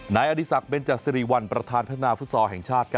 นายอดีศักดิเบนจสิริวัลประธานพัฒนาฟุตซอลแห่งชาติ